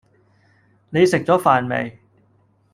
你食咗飯未